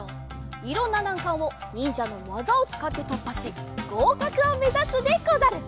いろんななんかんをにんじゃのわざをつかってとっぱしごうかくをめざすでござる。